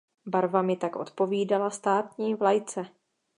Barvami tak odpovídala státní vlajce.